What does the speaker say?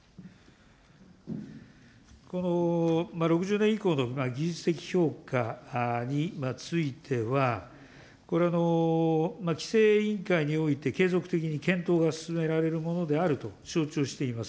６０年以降の技術的評価については、これ、規制委員会において継続的に検討が進められるものであると承知をしています。